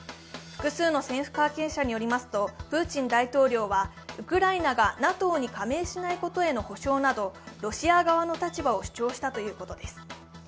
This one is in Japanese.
複数の政府関係者によりますとプーチン大統領はウクライナがＮＡＴＯに加盟しないことへの保証などロシア側の立場を主張したということです。